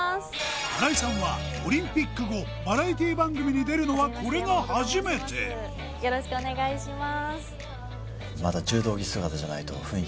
新井さんはオリンピック後バラエティ番組に出るのはこれが初めてよろしくお願いします